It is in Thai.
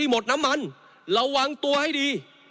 หมดน้ำมันระวังตัวให้ดี